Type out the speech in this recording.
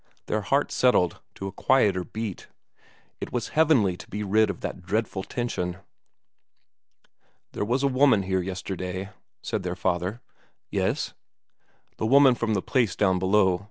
Their hearts settled to a quieter beat; it was heavenly to be rid of that dreadful tension. "There was a woman here yesterday," said their father. "Yes." "The woman from the place down below.